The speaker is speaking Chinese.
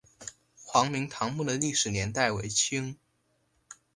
黄明堂墓的历史年代为清。